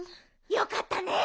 よかったね